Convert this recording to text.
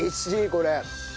これ。